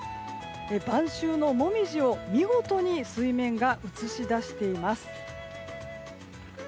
晩秋のモミジを見事に水面が映し出しています。